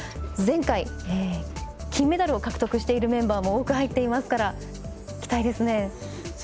前回、金メダルを獲得しているメンバーも多く入っていますから期待ですね。